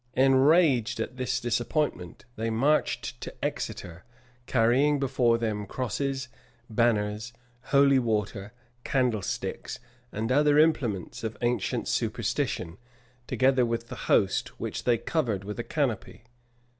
Enraged at this disappointment, they marched to Exeter, carrying before them crosses, banners, holy water, candlesticks, and other implements of ancient superstition; together with the host, which they covered with a canopy.